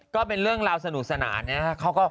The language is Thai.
ก็เป็นเรื่องราวสนุกสนานา